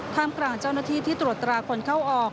กลางเจ้าหน้าที่ที่ตรวจตราคนเข้าออก